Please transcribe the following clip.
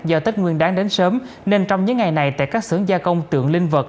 do tết nguyên đáng đến sớm nên trong những ngày này tại các xưởng gia công tượng linh vật